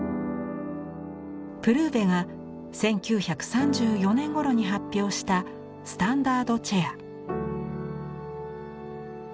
プルーヴェが１９３４年ごろに発表した「スタンダードチェア」。